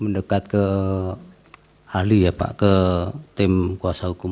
mendekat ke ahli ya pak ke tim kuasa hukum